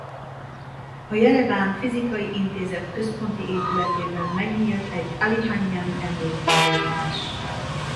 A Jereván Fizikai Intézet központi épületében megnyílt egy Alihanyjan-emlékmúzeum is.